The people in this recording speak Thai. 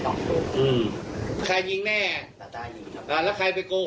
ตาตายิงแล้วก็